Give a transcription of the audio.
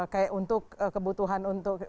kayak untuk kebutuhan untuk